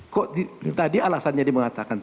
kok tadi alasannya dimengatakan